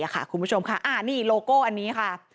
คุณผู้ชมค่ะนี่โลโก้อันนี้ค่ะ